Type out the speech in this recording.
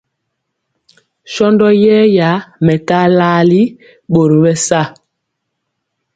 Shɔndɔ yɛra mɛkaa laali ɓɔri bɛ sa.